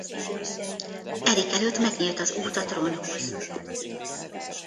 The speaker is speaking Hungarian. Erik előtt megnyílt az út a trónhoz.